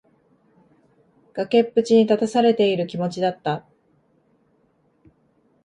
崖っぷちに立たされている気持ちだった。